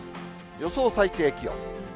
予想最低気温。